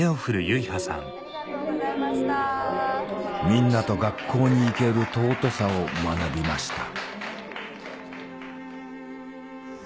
みんなと学校に行ける尊さを学びました